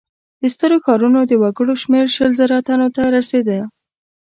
د سترو ښارونو د وګړو شمېر شل زره تنو ته رسېده.